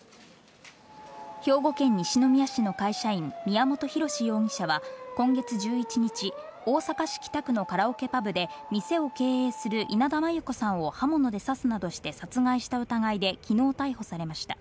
兵庫県西宮市の会社員・宮本浩志容疑者は今月１１日、大阪市北区のカラオケパブで店を経営する稲田真優子さんを刃物で刺すなどして殺害した疑いで昨日逮捕されました。